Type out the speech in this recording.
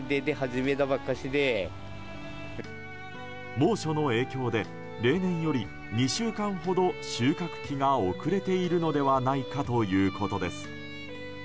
猛暑の影響で、例年より２週間ほど収穫期が遅れているのではないかということです。